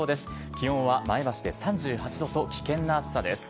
気温は前橋で３８度と、危険な暑さです。